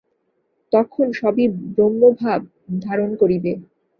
তখন সবই ব্রহ্মভাব ধারণ করিবে।